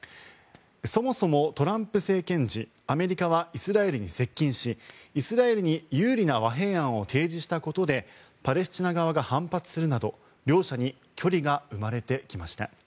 そもそもトランプ政権時アメリカはイスラエルに接近しイスラエルに有利な和平案を提示したことでパレスチナ側が反発するなど両者に距離が生まれてきました。